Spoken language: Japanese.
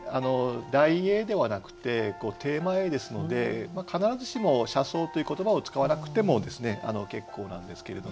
題詠ではなくてテーマ詠ですので必ずしも「車窓」という言葉を使わなくても結構なんですけれども。